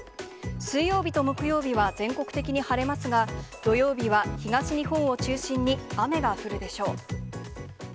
水曜日と木曜日は全国的に晴れますが、土曜日は東日本を中心に雨が降るでしょう。